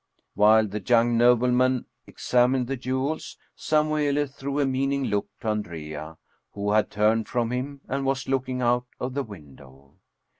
While the young nobleman examined the jewels, Samuele threw a meaning look to Andrea, who had turned from him and was looking out of the window.